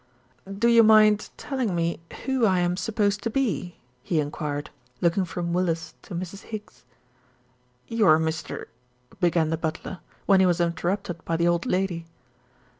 "Do you mind telling me who I am supposed to be?" he enquired, looking from Willis to Mrs. Higgs. "You're Mr. " began the butler, when he was interrupted by the old lady.